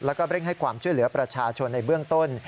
แล้วก็เร่งให้ความช่วยเหลือประชาชนในเบื้องต้น